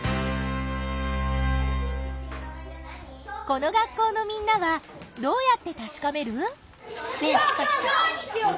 この学校のみんなはどうやってたしかめる？